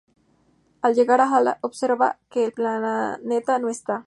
Al llegar a Halla, observan que el planeta no está.